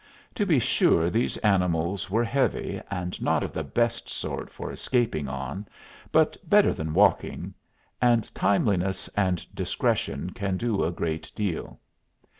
To be sure these animals were heavy, and not of the best sort for escaping on, but better than walking; and timeliness and discretion can do a great deal.